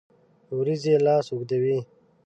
اوریځې لاس اوږدوي